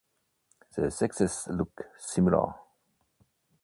The sexes look similar.